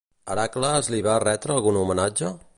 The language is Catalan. Hèracles li va retre algun homenatge?